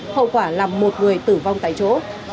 hậu quả là một người tử vong tại chỗ